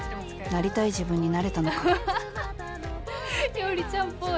伊織ちゃんっぽい。